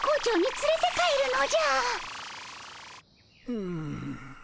うん。